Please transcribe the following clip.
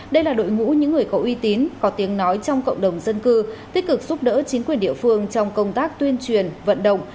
đây là đội ngũ những người có uy tín có tiếng nói trong cộng đồng dân cư tích cực giúp đỡ chính quyền địa phương trong công tác tuyên truyền vận động